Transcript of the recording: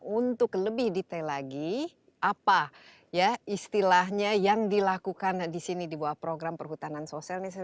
untuk lebih detail lagi apa ya istilahnya yang dilakukan di sini di bawah program perhutanan sosial ini